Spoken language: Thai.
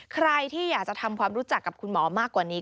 ใครที่อยากจะทำความรู้จักกับคุณหมอมากกว่านี้